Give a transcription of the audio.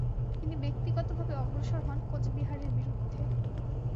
তিনি ব্যক্তিগতভাবে অগ্রসর হন কোচবিহারের বিরুদ্ধে।